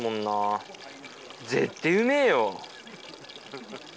絶対うめぇよ。